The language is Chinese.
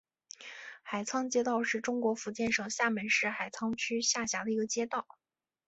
海沧街道是中国福建省厦门市海沧区下辖的一个街道。